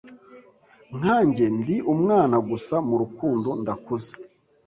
Nkanjye ndi umwana gusa murukundo ndakuze